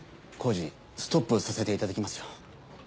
工事ストップさせていただきますよ。